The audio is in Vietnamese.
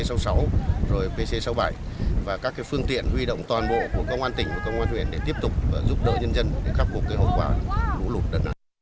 của pc sáu mươi bảy và các phương tiện huy động toàn bộ của công an tỉnh và công an huyện để tiếp tục giúp đỡ nhân dân để khắc phục hậu quả lũ lụt đất nạn